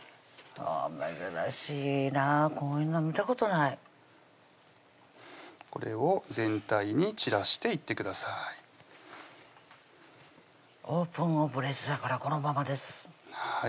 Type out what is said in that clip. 珍しいなこういうの見たことないこれを全体に散らしていってください「オープンオムレツ」だからこのままです